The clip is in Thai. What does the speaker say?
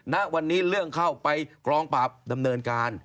นักวันนี้เลือกเข้าไปกรองปรับดำเนินการ